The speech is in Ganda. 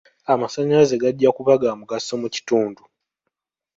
Amasannyalaze gajja kuba ga mugaso mu kitundu.